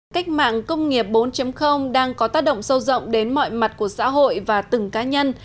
cách mạng công nghiệp bốn đang có tác động sâu rộng đến mọi mặt của xã hội và từng cá nhân